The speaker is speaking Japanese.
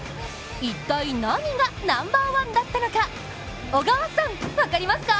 一体何がナンバーワンだったのか、小川さん、分かりますか？